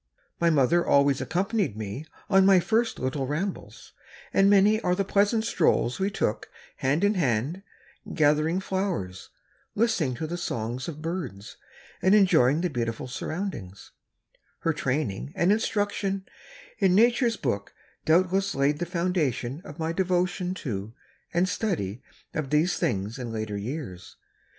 My mother always accompanied me on my first little rambles, and many are the pleasant strolls we took, hand in hand, gathering flowers, listening to the songs of birds and enjoying the beautiful surroundings; her training and instruction in Nature's book doubtless laid the foundation of my devotion to and study of these things in later years.